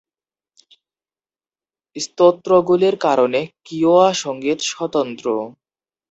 স্তোত্রগুলির কারণে কিওয়া সংগীত স্বতন্ত্র।